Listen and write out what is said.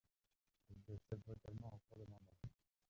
Il décède brutalement en cours de mandat.